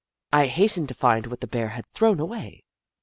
I hastened to find what the Bear had thrown away.